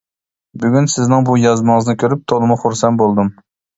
بۈگۈن سىزنىڭ بۇ يازمىڭىزنى كۆرۈپ تولىمۇ خۇرسەن بولدۇم.